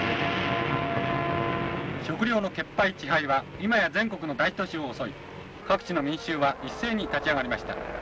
「食糧の欠配遅配は今や全国の大都市を襲い各地の民衆は一斉に立ち上がりました。